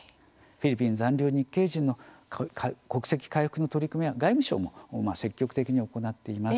フィリピン残留日系人の国籍回復の取り組みは外務省も積極的に行っています。